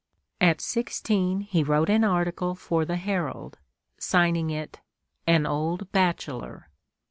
At sixteen he wrote an article for the "Herald," signing it "An Old Bachelor."